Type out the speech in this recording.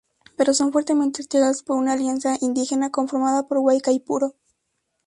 Pero son fuertemente hostigados por una alianza indígena conformada por Guaicaipuro.